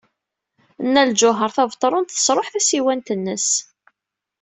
Nna Lǧuheṛ Tabetṛunt tesṛuḥ tasiwant-nnes.